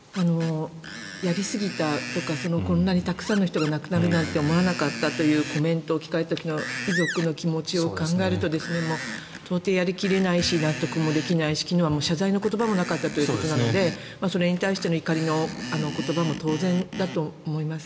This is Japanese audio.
やりすぎたとかこんなにたくさんの人が亡くなるなんて思わなかったというコメントを聞いた時の遺族の気持ちを考えると到底やり切れないし納得もできないし昨日は謝罪の言葉もなかったということなのでそれに対しての怒りの言葉も当然だと思います。